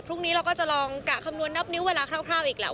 พรุ่งนี้เราก็จะลองกะคำนวณนับนิ้วเวลาคร่าวอีกแหละ